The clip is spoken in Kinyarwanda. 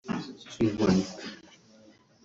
inkoni